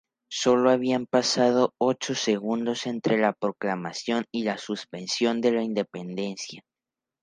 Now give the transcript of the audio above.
Sólo habían pasado ocho segundos entre la proclamación y la suspensión de la independencia.